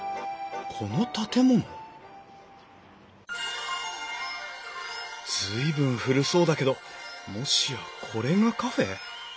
この建物随分古そうだけどもしやこれがカフェ？